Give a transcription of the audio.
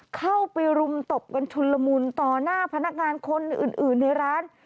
เข้าไปรุมตบกันชุนละมุนต่อหน้าพนักงานคนอื่นในร้าน